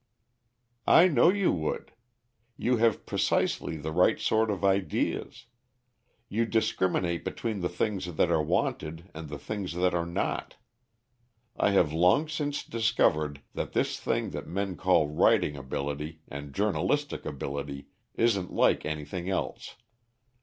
"I know you would. You have precisely the right sort of ideas. You discriminate between the things that are wanted and the things that are not. I have long since discovered that this thing that men call writing ability and journalistic ability isn't like anything else.